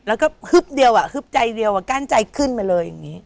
แล้วก็ฮึบเดียวอ่ะฮึบใจเดียวกั้นใจขึ้นมาเลยอย่างนี้